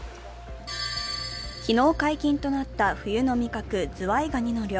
昨日解禁となった冬の味覚、ズワイガニの漁。